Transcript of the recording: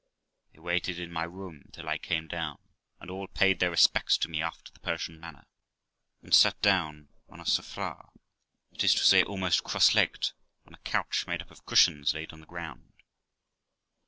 They waited in my room till I came down, and all paid their respects to me after the Persian manner, and sat down on a safra that is to say, almost crosslegged, on a couch made up of cushions laid on the ground.